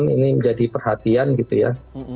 ini menjadi perhatian gitu ya